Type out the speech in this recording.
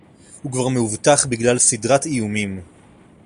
הוא כבר מאובטח בגלל סדרת איומים